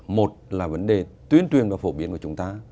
một là vấn đề tuyên truyền và phổ biến của chúng ta